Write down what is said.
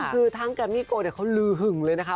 คือทั้งแกรมมีโกลเขาลื้อหึงเลยนะคะ